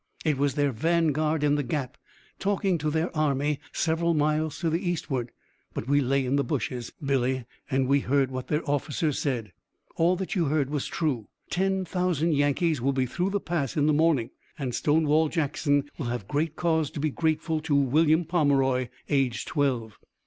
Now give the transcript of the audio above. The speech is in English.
"It was their vanguard in the Gap, talking to their army several miles to the eastward. But we lay in the bushes, Billy, and we heard what their officers said. All that you heard was true. Ten thousand Yankees will be through the pass in the morning, and Stonewall Jackson will have great cause to be grateful to William Pomeroy, aged twelve."